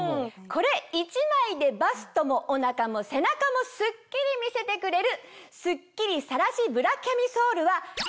これ１枚でバストもおなかも背中もスッキリ見せてくれる。